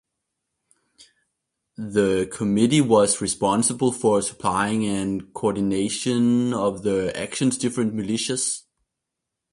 The Committee was responsible for supplying and coordination of the actions different militias.